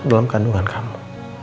dalam kandungan kamu